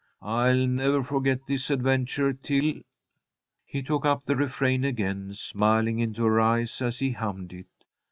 I'll never forget this adventure till " He took up the refrain again, smiling into her eyes as he hummed it.